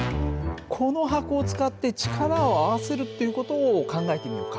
この箱を使って力を合わせるっていう事を考えてみようか。